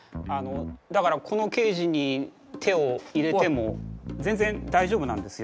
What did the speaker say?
だからこのケージに手を入れても全然大丈夫なんですよ。